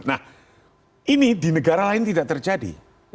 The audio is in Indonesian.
nah ini di negara lain tidak terjadi